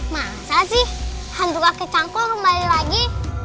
masa sih hantu kakek canggul kembali lagi